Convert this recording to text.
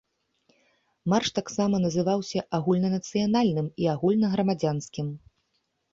Марш таксама называўся агульнанацыянальным і агульнаграмадзянскім.